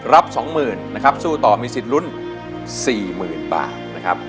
รับ๒๐๐๐นะครับสู้ต่อมีสิทธิ์ลุ้น๔๐๐๐บาทนะครับ